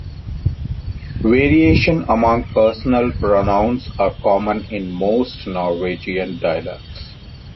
Variation among personal pronouns are common in most Norwegian dialects.